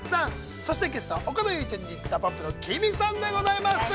そしてゲストは岡田結実ちゃんにＤＡＰＵＭＰのＫＩＭＩさんでございます。